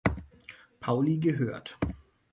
Pauli gehört.